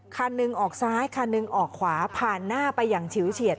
คันหนึ่งออกซ้ายคันหนึ่งออกขวาผ่านหน้าไปอย่างฉิวเฉียด